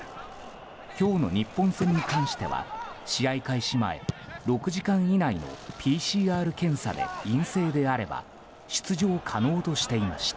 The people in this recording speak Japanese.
今日の日本戦に関しては試合開始前６時間以内のＰＣＲ検査で陰性であれば出場可能としていました。